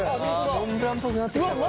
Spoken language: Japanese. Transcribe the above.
モンブランっぽくなってきたこれ。